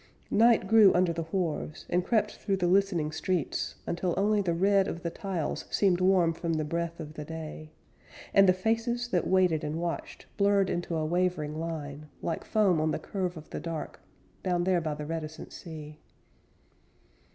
Night grew under the wharves, And crept through the listening streets, Until only the red of the tiles Seemed warm from the breath of the day; And the faces that waited and watched Blurred into a wavering line, Like foam on the curve of the dark, Down there by the reticent sea.